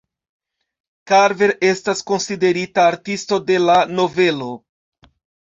Karver estas konsiderita artisto de la novelo.